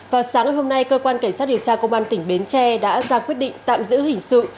vào sáng ngày hôm nay cơ quan cảnh sát điều tra công an tỉnh bến tre đã ra quyết định tạm giữ hình sự